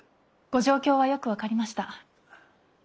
ご状況はよく分かりました。